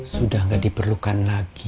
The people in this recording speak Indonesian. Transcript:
sudah gak diperlukan lagi